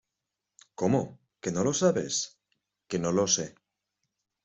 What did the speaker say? ¿ Cómo, que no lo sabes? Que no lo sé.